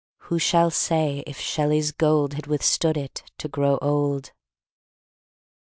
Who shall say if Shelley's gold Had withstood it to grow old?